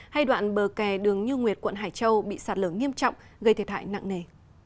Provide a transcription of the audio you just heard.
hay đoạn bờ kè đường như nguyệt quận hải châu bị sạt lở nghiêm trọng gây thiệt hại nặng nề